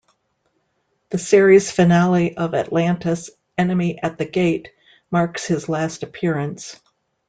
The series finale of "Atlantis", "Enemy at the Gate", marks his last appearance.